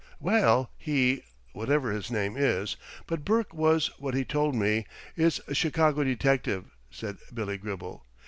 "Well, he whatever his name is, but Burke was what he told me is a Chicago detective," said Billy Gribble.